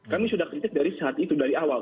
kami sudah kritik dari saat itu dari awal